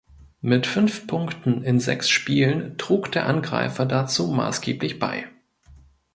Mit fünf Punkten in sechs Spielen trug der Angreifer dazu maßgeblich bei.